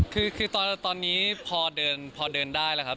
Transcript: คือตอนนี้พอเดินได้แหละครับ